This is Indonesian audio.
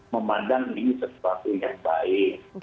memandang ini sesuatu yang baik